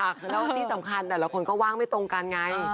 แล้วที่สำคัญแต่ละคนก็ว่างไม่ตรงกันไง